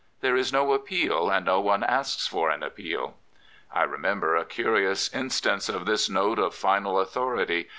There is no appeal, and no one asks for an appeal. I remember a curious instance of this note of final authority.